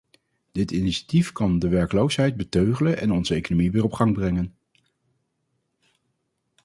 Dit initiatief kan de werkloosheid beteugelen en onze economie weer op gang brengen.